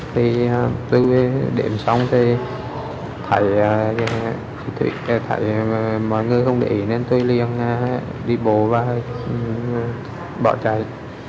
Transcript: thì tôi đệm xong thì thầy mọi người không để ý nên tôi liền đi bồ và bỏ chạy